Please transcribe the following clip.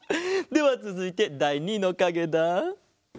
ではつづいてだい２のかげだ。